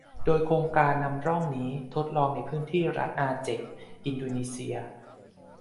โดยโครงการนำร่องนี้ทดลองในพื้นที่รัฐอาเจะห์ อินโดนีเซีย